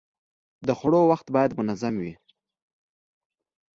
د خوړو وخت باید منظم وي.